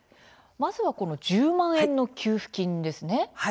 まずは、この１０万円の給付金ですね。